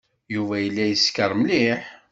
Yuba yella yeskeṛ mliḥ.